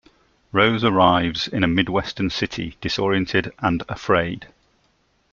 Rose arrives in a Midwestern city, disoriented and afraid.